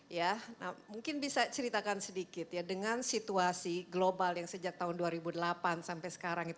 ya mungkin bisa ceritakan sedikit ya dengan situasi global yang sejak tahun dua ribu delapan sampai sekarang